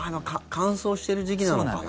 乾燥している時期なのかな。